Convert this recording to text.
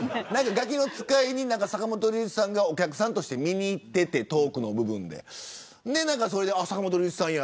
ガキの使いに坂本龍一さんがお客さんとして見に行ってて坂本龍一さんだ